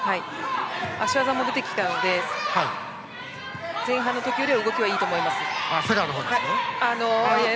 足技も出てきたので前半の時よりは動きはいいと思いますよ